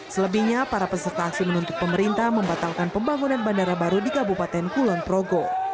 selebihnya para peserta aksi menuntut pemerintah membatalkan pembangunan bandara baru di kabupaten kulon progo